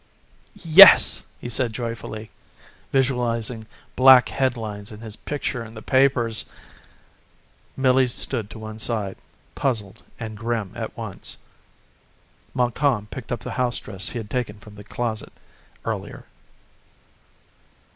"Yes," he said joyfully, visualizing black headlines and his picture in the papers. Millie stood to one side, puzzled and grim at once. Montcalm picked up the house dress he had taken from the closet earlier.